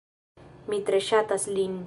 Mi tre ŝatas lin...